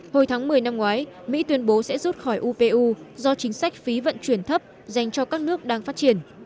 hồi tháng một mươi năm ngoái mỹ tuyên bố sẽ rút khỏi upu do chính sách phí vận chuyển thấp dành cho các nước đang phát triển